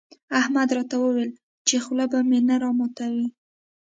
احمد راته وويل چې خوله به مې نه راماتوې.